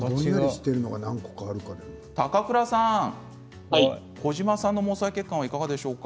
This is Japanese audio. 高倉さん、児嶋さんの毛細血管はいかがでしょうか。